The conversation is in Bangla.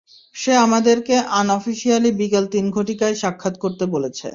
সে আমাদেরকে আন অফিশিয়ালি বিকেল তিন ঘটিকায় সাক্ষাৎ করতে বলেছে।